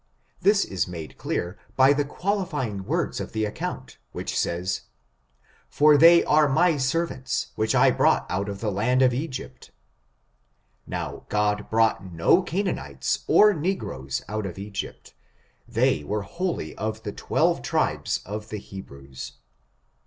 This is made clear by the qualifying words of the account, which says, "/o^ l^^^ ^^^ ^V servants, which I brought out of the land of EgyptJ^^ Now God brought no Canaanitcs or negroes out of Egypt, they were wholly of the twelve tribes of the He brews.